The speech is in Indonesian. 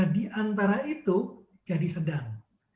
di antara itu jadi sedang